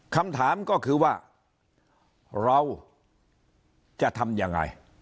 คำถามก็คือว่าเราจะทำยังไง